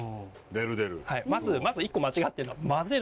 まず１個間違ってるのは。